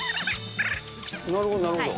なるほど、なるほど。